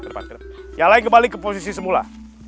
ke depan depan yang lain kembali ke posisi semula